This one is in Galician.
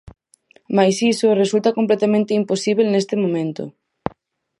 "Mais iso resulta completamente imposíbel neste momento".